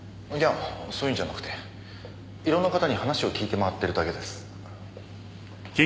いやそういうんじゃなくて色んな方に話を聞いて回ってるだけです。